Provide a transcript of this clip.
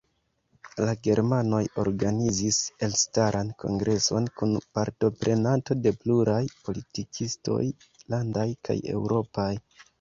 La germanoj organizis elstaran kongreson kun partopreno de pluraj politikistoj, landaj kaj eŭropaj.